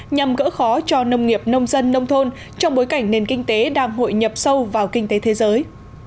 nhằm gỡ khó cho nông nghiệp nông dân nông thôn trong bối cảnh nền kinh tế đang hội nhập sâu vào kinh tế thế giới